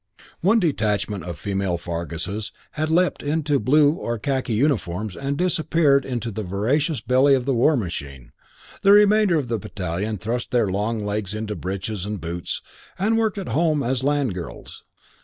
One detachment of female Farguses had leapt into blue or khaki uniforms and disappeared into the voracious belly of the war machine; the remainder of the battalion thrust their long legs into breeches and boots and worked at home as land girls.